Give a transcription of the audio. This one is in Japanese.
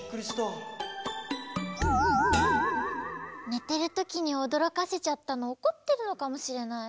ねてるときにおどろかせちゃったのおこってるのかもしれない。